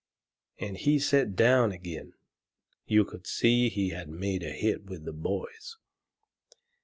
And he set down agin. You could see he had made a hit with the boys.